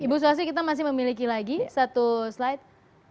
ibu susi kita masih memiliki lagi satu slide